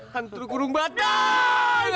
hantu kurung batang